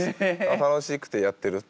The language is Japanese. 楽しくてやってるって感じが。